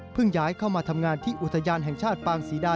ย้ายเข้ามาทำงานที่อุทยานแห่งชาติปางศรีดา